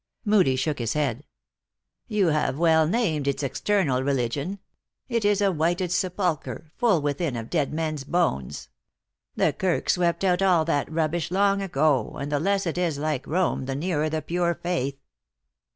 Moodie shook his head. " You have well named its external \religion. It is a whited sepulchre, full within of dead men s bones. The Kirk swept out all that rubbish long ago, and the less it is like Rome the nearer the pure faith."